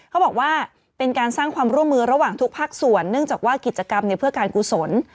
เขาบอกว่าเป็นการสร้างความร่วมมือระหว่างทุกภาคส่วนเนื่องจากว่ากิจกรรมเนี่ยเพื่อการกุศล